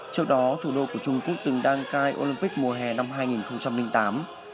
trước đó thủ đô của trung quốc từng đăng cai olympic mùa hè năm hai nghìn tám